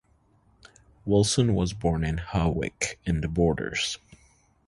Wilson was born in Hawick in the Borders.